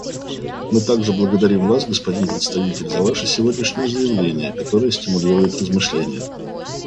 Мы также благодарим вас, господин Председатель, за ваше сегодняшнее заявление, которое стимулирует размышления.